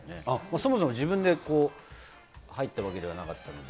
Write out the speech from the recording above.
そもそも自分で入ってるわけではなかったんで。